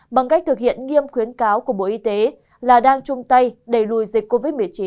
bằng cách thực hiện nghiêm khuyến cáo của bộ y tế là đang chung tay đẩy lùi dịch covid một mươi chín